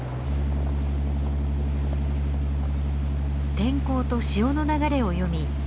天候と潮の流れを読み